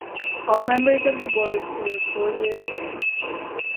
All members of the board serve four-year terms.